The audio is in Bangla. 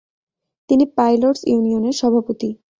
তিনি পাইলটস ইউনিয়নের সভাপতি।